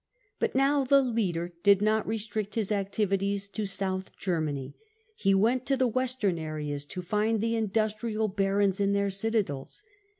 But now*the " leader " did not restrict his activities to South Germany. He went to the western gxeas, to find the in dustrial barons in their citadels.